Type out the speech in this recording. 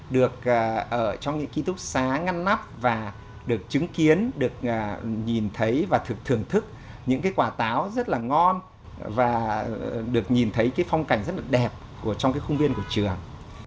được ở trong những ký túc xá ngăn nắp và được chứng kiến được nhìn thấy và được thưởng thức những cái quả táo rất là ngon và được nhìn thấy cái phong cảnh rất là đẹp trong cái khung viên của trường